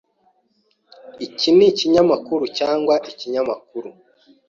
Iki nikinyamakuru cyangwa ikinyamakuru?